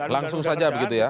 langsung saja begitu ya